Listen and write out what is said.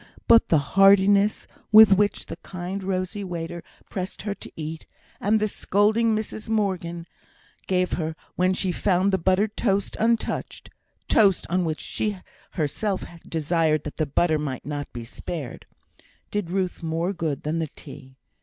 But the heartiness with which the kind, rosy waiter pressed her to eat, and the scolding Mrs Morgan gave her when she found the buttered toast untouched (toast on which she had herself desired that the butter might not be spared), did Ruth more good than the tea.